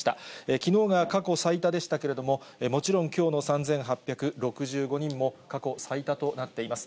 きのうが過去最多でしたけれども、もちろんきょうの３８６５人も過去最多となっています。